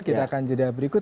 kita akan jadi berikut